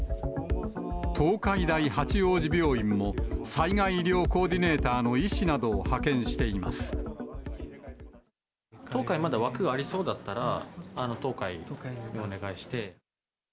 東海大八王子病院も、災害医療コーディネーターの医師などを派遣東海、まだ枠がありそうだったら、東海にお願いして。